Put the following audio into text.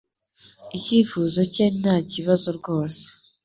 Icyifuzo cye ntakibazo rwose. (blay_paul)